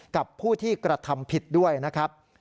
กับผู้ที่กระทำผิดด้วยนะครับ